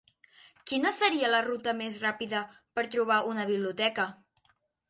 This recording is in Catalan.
Quina seria la ruta més ràpida per trobar una biblioteca?